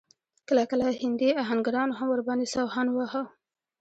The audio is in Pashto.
کله کله هندي اهنګرانو هم ور باندې سوهان واهه.